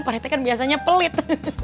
parete kan biasanya pelit